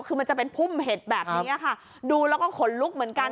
คือมันจะเป็นพุ่มเห็ดแบบนี้ค่ะดูแล้วก็ขนลุกเหมือนกัน